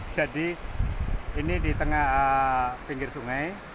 jadi ini di tengah pinggir sungai